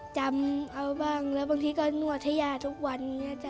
จำเอาบ้างแล้วบางทีก็นวดให้ย่าทุกวันนี้จ้